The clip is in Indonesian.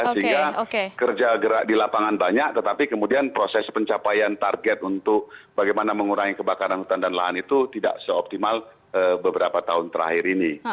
sehingga kerja gerak di lapangan banyak tetapi kemudian proses pencapaian target untuk bagaimana mengurangi kebakaran hutan dan lahan itu tidak seoptimal beberapa tahun terakhir ini